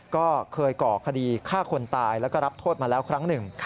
ก็เคยก่อคดีฆ่าคนตายแล้วก็รับโทษมาแล้วครั้งหนึ่ง